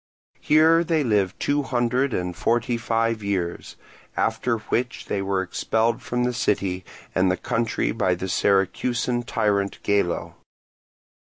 Here they lived two hundred and forty five years; after which they were expelled from the city and the country by the Syracusan tyrant Gelo.